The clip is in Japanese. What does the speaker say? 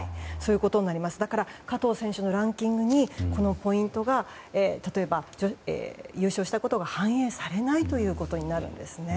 だから、加藤選手のランキングにこのポイントが例えば、優勝したことが反映されないということになるんです。